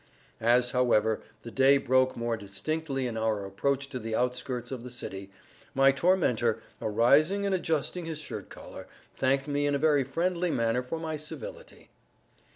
As, however, the day broke more distinctly in our approach to the outskirts of the city, my tormentor, arising and adjusting his shirt collar, thanked me in a very friendly manner for my civility.